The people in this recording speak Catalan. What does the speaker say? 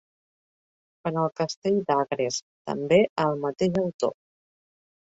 Quant al castell d'Agres, també el mateix autor.